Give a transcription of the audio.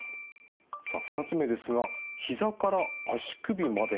さあ２つ目ですが「ひざから足首までが腫れる」